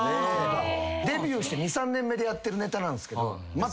デビューして２３年目でやってるネタなんすけど。